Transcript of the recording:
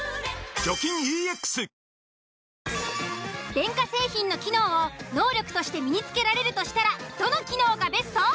電化製品の機能を能力として身に付けられるとしたらどの機能がベスト？